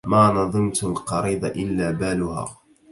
ما نظمت القريض إلا بالها